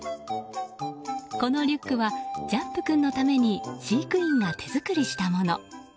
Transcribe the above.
このリュックはジャンプ君のために飼育員が手作りしたもの。